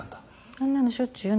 あんなのしょっちゅうよ。